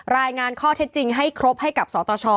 รายงานข้อเท็จจริงให้ครบให้กับสตช